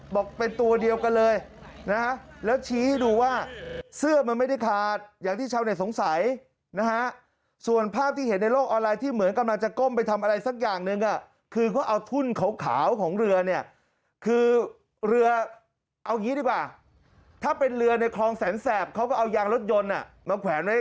บอกเป็นตัวเดียวกันเลยนะแล้วชี้ดูว่าเสื้อมันไม่ได้ขาดอย่างที่ชาวเน็ตสงสัยนะฮะส่วนภาพที่เห็นในโลกออนไลน์ที่เหมือนกำลังจะก้มไปทำอะไรสักอย่างหนึ่งอ่ะคือก็เอาทุ่นขาวขาวของเหลือเนี่ยคือเหลือเอาอย่างรถยนต์อ่ะมาแขว